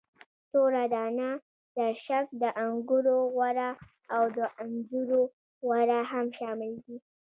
توره دانه، زرشک، د انګورو غوره او د انځرو غوره هم شامل دي.